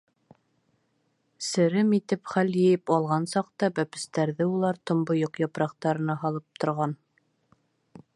Серем итеп хәл йыйып алған саҡта, бәпестәрҙе улар томбойоҡ япраҡтарына һалып торған.